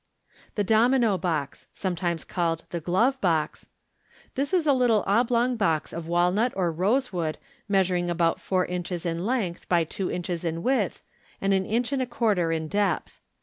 Thb "Domino Box" (sometimes called the "Glove Box ").— This is a little oblong box of walnut or rosewood, measuring about four inches in length by two inches in width, and an inch and a quarter in depth.